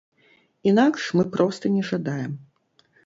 Інакш мы проста не жадаем.